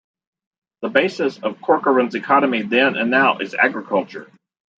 The basis of Corcoran's economy then and now is agriculture.